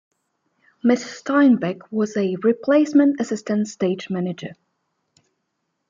Ms. Steinbeck was a replacement assistant stage manager.